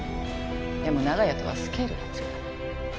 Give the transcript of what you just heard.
でも長屋とはスケールが違う。